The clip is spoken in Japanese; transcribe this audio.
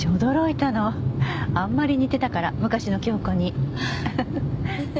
あんまり似てたから昔の京子に。